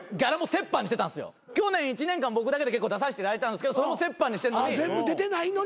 去年１年間僕だけで結構出させていただいたんすけどそれも折半にしてるのに。